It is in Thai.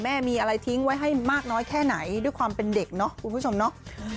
มีอะไรทิ้งไว้ให้มากน้อยแค่ไหนด้วยความเป็นเด็กเนาะคุณผู้ชมเนาะ